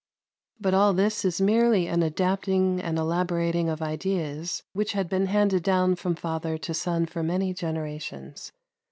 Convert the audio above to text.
But all this is merely an adapting and elaborating of ideas which had been handed down from father to son for many generations.